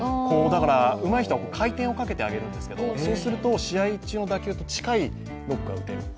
うまい人は、回転をかけてあげるんですけど、そうすると試合中の打球と近いノックが打てる。